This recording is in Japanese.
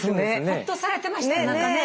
ほっとされてました何かね。